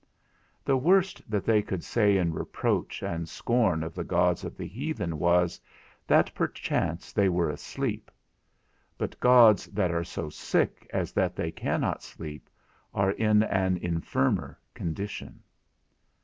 The worst that they could say in reproach and scorn of the gods of the heathen was, that perchance they were asleep; but gods that are so sick as that they cannot sleep are in an infirmer condition.